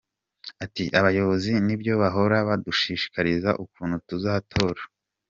Ati “Abayobozi nibyo bahora badushishikariza ukuntu tuzatora.